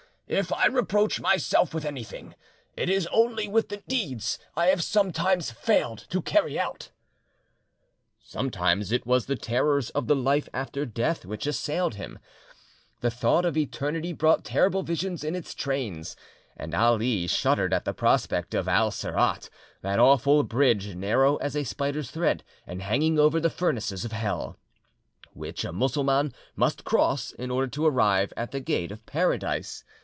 If I reproach myself with anything, it is only with the deeds I have sometimes failed to carry out." Sometimes it was the terrors of the life after death which assailed him. The thought of eternity brought terrible visions in its train, and Ali shuddered at the prospect of Al Sirat, that awful bridge, narrow as a spider's thread and hanging over the furnaces of Hell; which a Mussulman must cross in order to arrive at the gate of Paradise.